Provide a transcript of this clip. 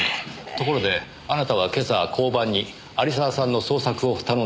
ところであなたは今朝交番に有沢さんの捜索を頼んでいますね。